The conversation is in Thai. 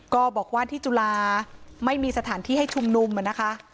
ก็บอกว่าที่จุฬาไม่มีสถานที่ให้ชุมนุมนะคะ